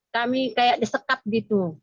kami seperti disekap begitu